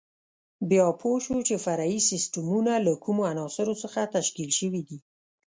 بیا پوه شو چې فرعي سیسټمونه له کومو عناصرو څخه تشکیل شوي دي.